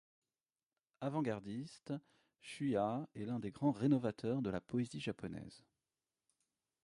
Avant-gardiste, Chûya est l'un des grands rénovateurs de la poésie japonaise.